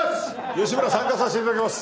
吉村参加させて頂きます。